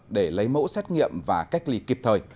để lấy mẫu xét nghiệm và cách ly kịp thời